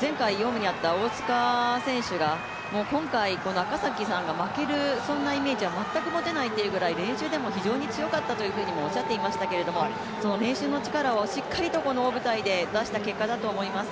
前回４位だった大塚選手が、今回赤崎選手が負けるそんなイメージは全く持てないというぐらい練習でも非常に強かったとおっしゃっていましたけど練習の力をしっかりとこの大舞台で出した結果だと思います。